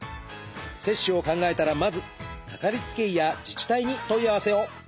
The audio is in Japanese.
接種を考えたらまずかかりつけ医や自治体に問い合わせを。